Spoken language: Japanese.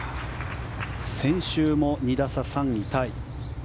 先週も２打差、３位タイ。